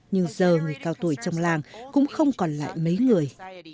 nhưng giờ người cao tuổi trong làng cũng không còn lại mấy người